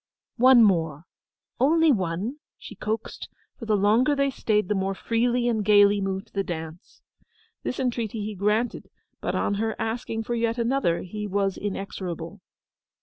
'One more—only one!' she coaxed, for the longer they stayed the more freely and gaily moved the dance. This entreaty he granted; but on her asking for yet another, he was inexorable.